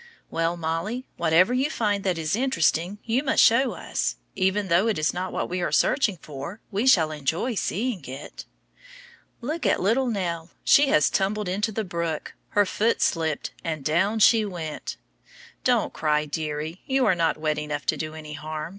Well, Mollie, whatever you find that is interesting you must show us. Even though it is not what we are searching for, we shall enjoy seeing it. Look at little Nell! She has tumbled into the brook. Her foot slipped, and down she went. Don't cry, deary, you are not wet enough to do any harm.